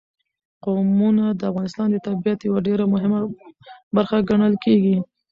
قومونه د افغانستان د طبیعت یوه ډېره مهمه برخه ګڼل کېږي.